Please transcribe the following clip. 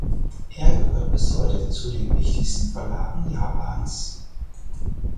Er gehört bis heute zu den wichtigsten Verlagen Japans.